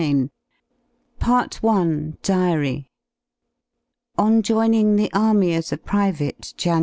xiv PART ONE PI ARY § On joining the Army as a pri vate, Jan.